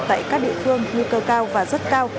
tại các địa phương nguy cơ cao và rất cao